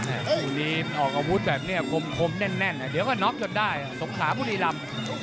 อันนี้ออกอาวุธแบบนี้คมแน่นเดี๋ยวก็น็อปจนได้สมขาพุทธิรรม